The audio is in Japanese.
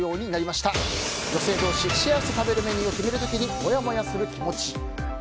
女性同士でシェアして食べるメニューを決める時にモヤモヤする気持ち。